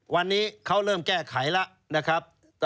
วันนี้เขาเริ่มแก้ไขแล้วนะครับ